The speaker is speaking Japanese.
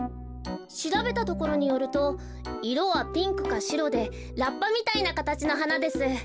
しらべたところによるといろはピンクかシロでラッパみたいなかたちのはなです。